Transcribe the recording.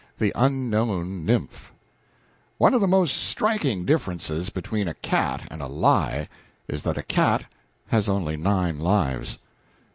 The Unknown Nymph One of the most striking differences between a cat and a lie is that a cat has only nine lives.